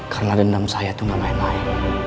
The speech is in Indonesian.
karena dendam saya itu enggak main main